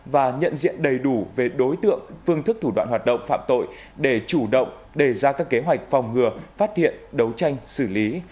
và nhận diện đầy đủ về đối tượng phương thức thủ đoạn hoạt động phạm tội để chủ động đề ra các kế hoạch phòng ngừa phát hiện đấu tranh xử lý